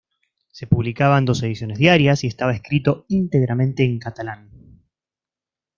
Se publicaban dos ediciones diarias y estaba escrito íntegramente en catalán.